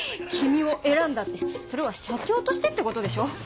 「君を選んだ」ってそれは社長としてってことでしょ？